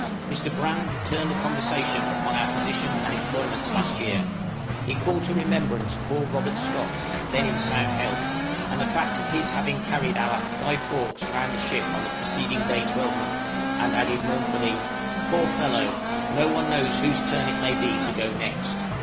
Mr. Brand turned the conversation upon our position and employments last year; he called to remembrance poor Robert Scott, then in sound health, and the fact of his having carried our "Guy Fawkes" round the ship on the preceding day twelvemonth, and added mournfully, "Poor fellow! no one knows whose turn it may be to go next."